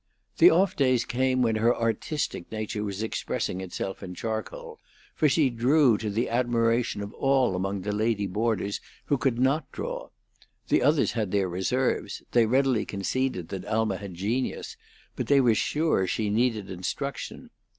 The off days came when her artistic nature was expressing itself in charcoal, for she drew to the admiration of all among the lady boarders who could not draw. The others had their reserves; they readily conceded that Alma had genius, but they were sure she needed instruction.